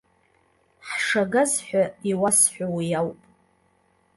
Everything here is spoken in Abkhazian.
Ҳшагаз ҳәа иуасҳәо уи ауп.